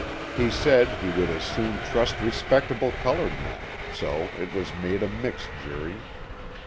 He said he would as soon trust respectable colored men, so it was made a mixed jury.